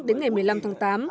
đến ngày một mươi năm tháng tám